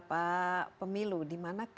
perkembangan ini berbalik